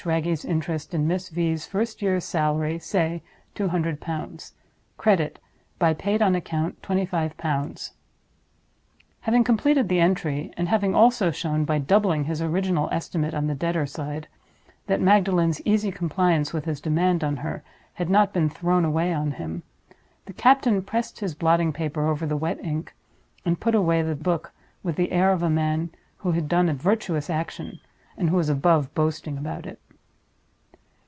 Wragge's interest in Miss V.'s first year's salary—say_ £ 200. _C_r. By paid on account, £ 25." Having completed the entry—and having also shown, by doubling his original estimate on the Debtor side, that Magdalen's easy compliance with his demand on her had not been thrown away on him—the captain pressed his blotting paper over the wet ink, and put away the book with the air of a man who had done a virtuous action, and who was above boasting about it.